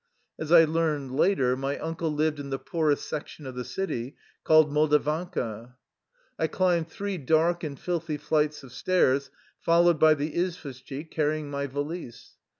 As I learned later, my uncle lived in the poorest section of the city, called Moldavanka. I climbed three dark and filthy flights of stairs, followed by the izvoshchik carrying my valise.